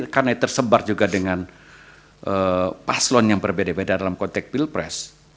karena tersebar juga dengan paslon yang berbeda beda dalam konteks pilpres